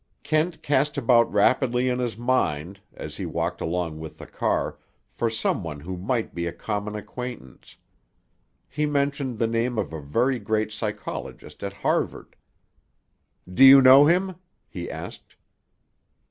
Kent cast about rapidly in his mind, as he walked along with the car, for some one who might be a common acquaintance. He mentioned the name of a very great psychologist at Harvard. "Do you know him?" he asked.